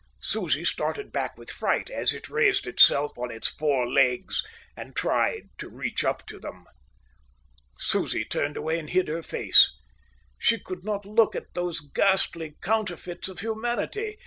Susie started back with fright, as it raised itself on its four legs and tried to reach up to them. Susie turned away and hid her face. She could not look at those ghastly counterfeits of humanity.